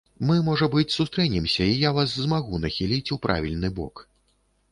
Мы, можа быць, сустрэнемся і я вас змагу нахіліць ў правільны бок.